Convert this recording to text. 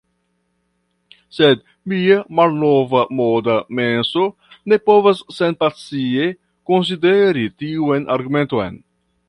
Sed mia malnovmoda menso ne povas senpasie konsideri tiun argumenton.